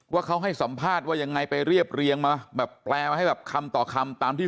ว่าเขาให้สัมภาษณ์ว่ายังไงไปเรียบเรียงมาแบบแปลมาให้แบบคำต่อคำตามที่